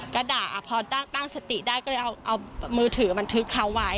ก็ด่าพอตั้งสติได้ก็เลยเอามือถือบันทึกเขาไว้